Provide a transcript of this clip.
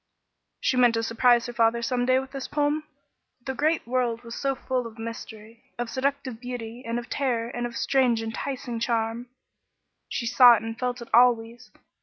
She meant to surprise her father some day with this poem. The great world was so full of mystery of seductive beauty and terror and of strange, enticing charm! She saw and felt it always.